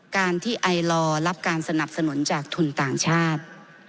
การที่ไอลอร์รับการสนับสนุนจากทุนต่างชาติ